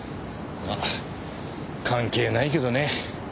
まあ関係ないけどね。